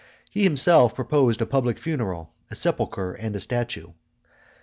He himself proposed a public funeral, a sepulchre, and a statue.